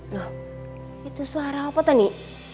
lho itu suara apa tuh ndi